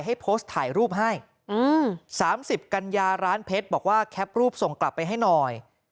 ให้โพสต์ถ่ายรูปให้๓๐กันยาร้านเพชรบอกว่าแคปรูปส่งกลับไปให้หน่อย